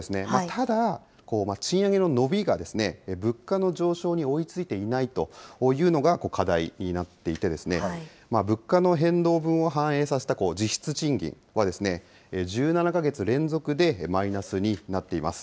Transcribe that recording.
ただ、賃上げの伸びが、物価の上昇に追いついていないというのが課題になっていて、物価の変動分を反映させた実質賃金は、１７か月連続でマイナスになっています。